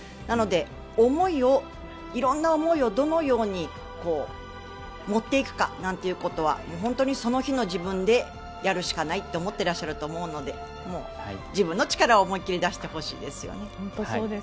なので、色んな思いをどのように持っていくかなんてことはもう本当にその日の自分でやるしかないと思っていらっしゃると思うので自分の力を思いっ切り出してほしいですね。